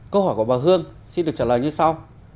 câu hỏi của bà hương xin được trả lời như sau